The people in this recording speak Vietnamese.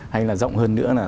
hay là rộng hơn nữa là